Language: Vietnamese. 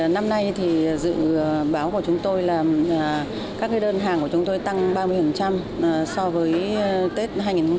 năm nay thì dự báo của chúng tôi là các đơn hàng của chúng tôi tăng ba mươi so với tết hai nghìn hai mươi ba